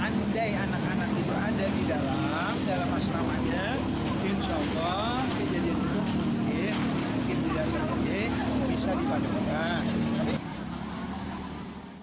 andai anak anak itu ada di dalam dalam asramanya insya allah kejadian itu mungkin tidak terjadi bisa dipadamkan